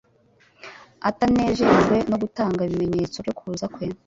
Atanejejwe no gutanga ibimenyetso byo kuza kwe,